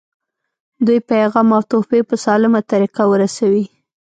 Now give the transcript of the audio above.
دوی پیغام او تحفې په سالمه طریقه ورسوي.